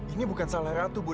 ini bukan salah ratu bu